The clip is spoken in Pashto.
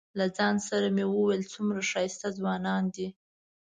له ځان سره مې ویل څومره ښایسته ځوانان دي.